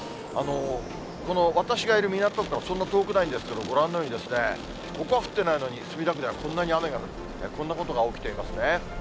この私がいる港区からそんな遠くないんですけど、ご覧のように、ここは降ってないのに、墨田区ではこんなに雨が降って、こんなことが起きています。